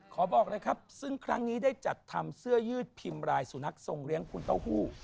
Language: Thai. บอกเลยครับซึ่งครั้งนี้ได้จัดทำเสื้อยืดพิมพ์รายสุนัขทรงเลี้ยงคุณเต้าหู้